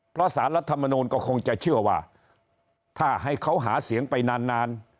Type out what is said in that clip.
เพราะสารรัฐมนูลก็คงจะเชื่อว่าถ้าให้เขาหาเสียงไปนาน